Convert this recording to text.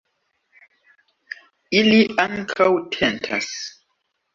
Ili ankaŭ tentas.